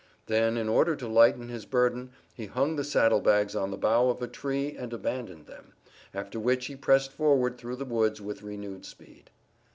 Then, in order to lighten his burden, he hung the saddlebags on the bough of a tree and abandoned them, after which he pressed forward through the woods with renewed speed.